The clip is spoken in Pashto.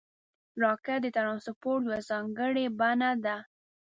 راکټ د ترانسپورټ یوه ځانګړې بڼه ده